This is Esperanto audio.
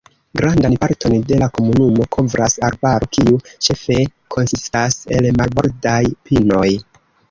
Grandan parton de la komunumo kovras arbaro, kiu ĉefe konsistas el marbordaj pinoj.